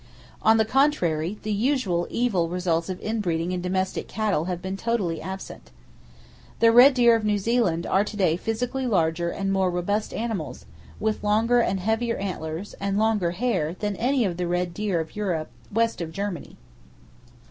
On the contrary, the usual evil results of in breeding in domestic cattle have been totally absent. The red deer of New Zealand are to day physically larger and more robust animals, with longer and heavier antlers, and longer hair, than any of the red deer of Europe west of Germany!